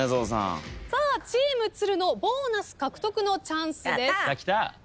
さあチームつるのボーナス獲得のチャンスです。